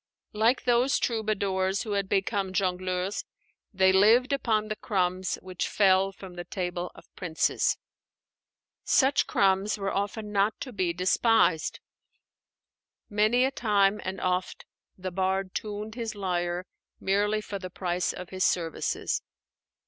Like those troubadours who had become jongleurs, they lived upon the crumbs which fell from the table of princes. Such crumbs were often not to be despised. Many a time and oft the bard tuned his lyre merely for the price of his services.